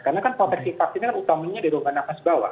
karena kan proteksi vaksin kan utamanya di rongga napas bawah